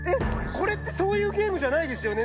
これってそういうゲームじゃないですよね？